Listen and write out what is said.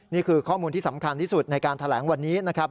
นี่คือข้อมูลที่สำคัญที่สุดในการแถลงวันนี้นะครับ